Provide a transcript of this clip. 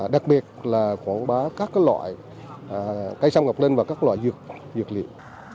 đặc biệt là quảng bá các cái loại cây xâm ngọc linh và các loại dược liệu